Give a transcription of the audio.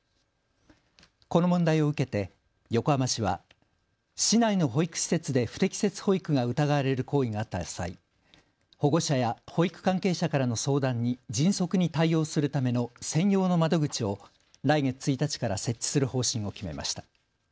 この問題を受けて横浜市は市内の保育施設で不適切保育が疑われる行為があった際、保護者や保育関係者からの相談に迅速に対応するための専用の窓口を来月１日から設置する方針を決めました。